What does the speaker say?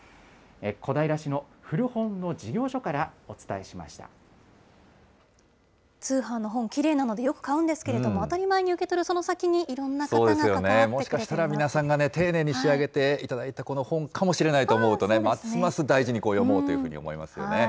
小平市の古本の事業所からお伝え通販の本、きれいなのでよく買うんですけれども、当たり前に受け取るその先に、いろんな方がもしかしたら皆さんが丁寧に仕上げていただいたこの本かもしれないと思うとね、ますます大事に読もうというふうに思いますよね。